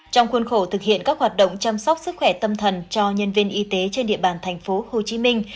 trong khuôn khổ thực hiện các hoạt động chăm sóc sức khỏe tâm thần cho nhân viên y tế trên địa bàn thành phố hồ chí minh